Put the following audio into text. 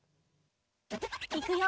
いくよ！